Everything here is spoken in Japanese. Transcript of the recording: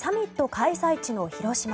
開催地の広島。